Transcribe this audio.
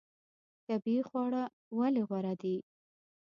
طبیعي خواړه ولې غوره دي؟